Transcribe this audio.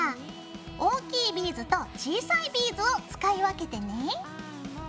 大きいビーズと小さいビーズを使い分けてね。